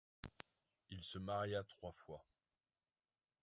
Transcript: Ils se maria trois fois.